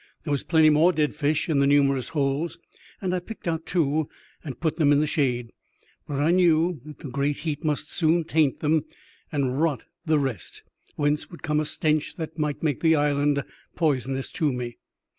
There was plenty more dead flsh in the numerous holes, and I picked out two and put them in the shade ; but I knew that the great heat must soon taint them and rot the rest, whence would come a stench that might make the island poisonous to me.